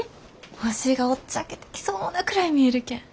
星がおっちゃけてきそうなくらい見えるけん。